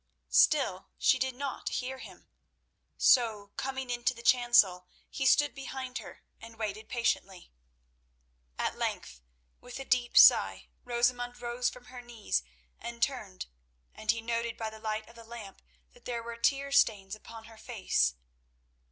Still, she did not hear him; so, coming into the chancel, he stood behind her and waited patiently. At length, with a deep sigh, Rosamund rose from her knees and turned, and he noted by the light of the lamp that there were tear stains upon her face.